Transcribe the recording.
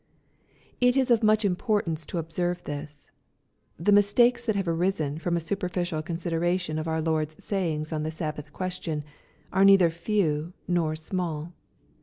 It is of much importance to observe this. The mis takes that have arisen from a superficial consideration of our Lord's sayings on the Sabbath question^ are neither few nor small.